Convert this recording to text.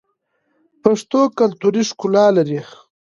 پښتو کلتوري ښکلا لري.